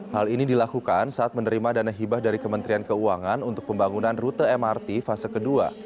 hal ini dilakukan saat menerima dana hibah dari kementerian keuangan untuk pembangunan rute mrt fase kedua